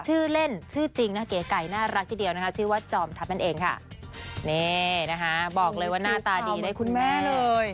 ชื่อเล่นชื่อจริงนะเก๋ไก่น่ารักทีเดียวนะคะชื่อว่าจอมทัพนั่นเองค่ะนี่นะคะบอกเลยว่าหน้าตาดีได้คุณแม่เลย